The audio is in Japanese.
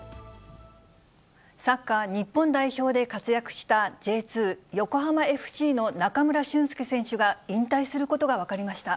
サッカー日本代表で活躍したＪ２・横浜ＦＣの中村俊輔選手が引退することが分かりました。